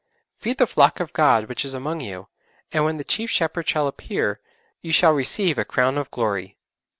'_Feed the flock of God which is among you.... And when the Chief Shepherd shall appear, ye shall receive a crown of glory.